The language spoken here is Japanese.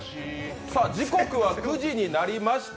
時刻は９時になりました。